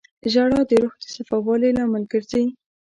• ژړا د روح د صفا والي لامل ګرځي.